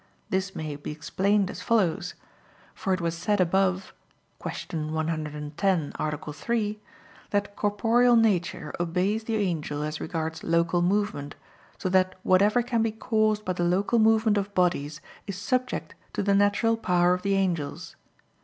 This may be explained as follows. For it was said above (Q. 110, A. 3), that corporeal nature obeys the angel as regards local movement, so that whatever can be caused by the local movement of bodies is subject to the natural power of the angels.